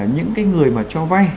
những người mà cho vai